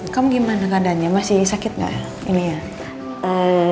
kamu gimana keadaannya masih sakit gak ini ya